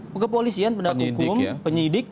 pengepolisian penegak hukum penyidik